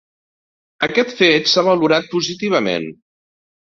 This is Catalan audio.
Aquest fet s’ha valorat positivament.